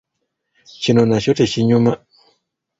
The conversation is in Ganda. Kino nakyo tekinyuma.